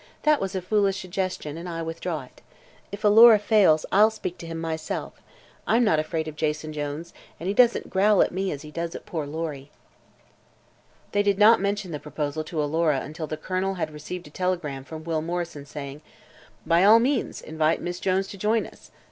"That was a foolish suggestion, and I withdraw it. If Alora fails, I'll speak to him myself. I'm not afraid of Jason Jones, and he doesn't growl at me as he does at poor Lory." They did not mention the proposal to Alora until the Colonel had received a telegram from Will Morrison saying: "By all means invite Miss Jones to join us.